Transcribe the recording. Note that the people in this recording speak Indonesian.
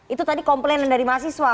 itu tadi komplainan dari mahasiswa